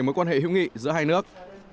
mối quan hệ hữu nghị giữa hai nước